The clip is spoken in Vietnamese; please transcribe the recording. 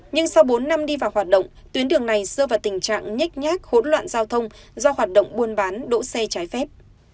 nhưng sau bốn năm đi vào hoạt động tuyến đường này rơi vào tình trạng nhách nhác hỗn loạn giao thông do hoạt động buôn bán đỗ xe trái phép